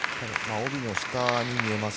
帯の下に見えます。